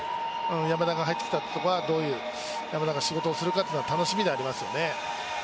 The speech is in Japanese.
山田が入ってきたというところは、どういう仕事をするかというのか楽しみではありますよね。